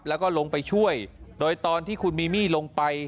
แล้วก็ลงไปช่วยโดยตอนที่คุณมีมี่ลงไป